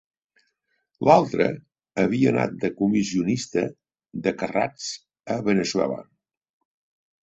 L'altre havia anat de comissionista de carrats a Veneçuela;